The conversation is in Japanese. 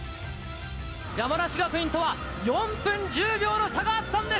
山梨学院とは４分１０秒の差があったんです。